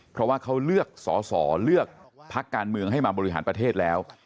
เพราะว่าเขาเลือกสอสอเลือกพักการเมืองให้มาบริหารประเทศแล้ว